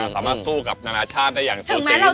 สามารถสู้กับนานาชาติได้อย่างสูงสิง